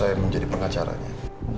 untuk saya menjadi pengacaranya